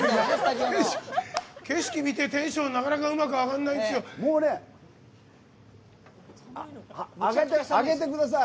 景色見てテンション、なかなかうまく上げてください！